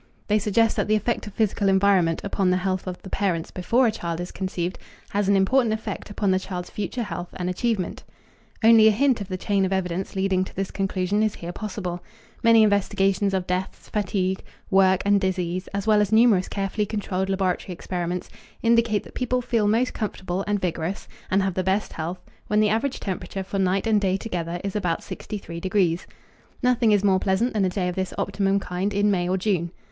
They suggest that the effect of physical environment upon the health of the parents before a child is conceived has an important effect upon the child's future health and achievement. Only a hint of the chain of evidence leading to this conclusion is here possible. Many investigations of deaths, fatigue, work, and disease, as well as numerous carefully controlled laboratory experiments, indicate that people feel most comfortable and vigorous, and have the best health, when the average temperature for night and day together is about 63°. Nothing is more pleasant than a day of this optimum kind in May or June.